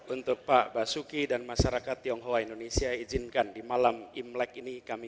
untuk pak basuki dan masyarakat tionghoa indonesia izinkan di malam imlek ini kami